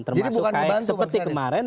termasuk seperti kemarin